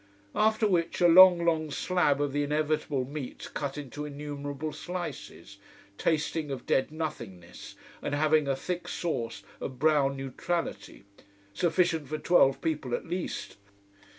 After which a long long slab of the inevitable meat cut into innumerable slices, tasting of dead nothingness and having a thick sauce of brown neutrality: sufficient for twelve people at least.